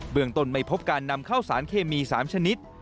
เมืองต้นไม่พบการนำเข้าสารเคมี๓ชนิด